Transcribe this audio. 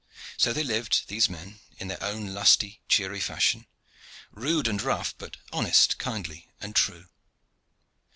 So they lived, these men, in their own lusty, cheery fashion rude and rough, but honest, kindly and true.